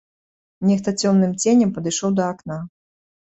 Нехта цёмным ценем падышоў да акна.